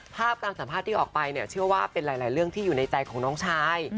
การสัมภาษณ์ที่ออกไปเนี่ยเชื่อว่าเป็นหลายเรื่องที่อยู่ในใจของน้องชาย